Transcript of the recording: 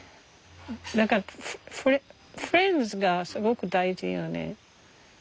だからフレンズがすごく大事よね。